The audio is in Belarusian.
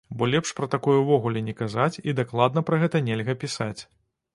Бо лепш пра такое ўвогуле не казаць і дакладна пра гэта нельга пісаць.